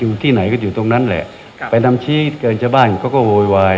อยู่ที่ไหนก็อยู่ตรงนั้นแหละครับไปนำชี้เกินชาวบ้านเขาก็โวยวาย